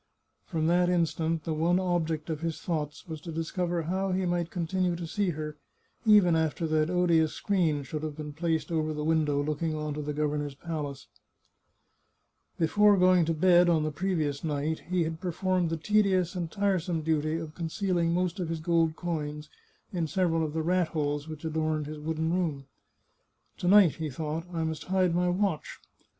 From that instant the one object of his thoughts was to discover how he might continue to see her, even after that odious screen should have been placed over the window looking on to the governor's palace. 333 The Chartreuse of Parma Before going to bed on the previous night, he had per formed the tedious and tiresome duty of conceaHng most of his gold coins in several of the rat holes which adorned his wooden room. " To night," he thought, " I must hide my watch.